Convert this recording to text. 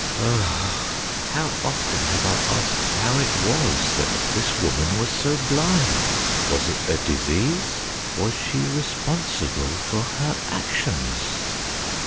Ah ! how often have I asked how it was that this woman was so blind ? Was it a disease ? Was she responsible for her actions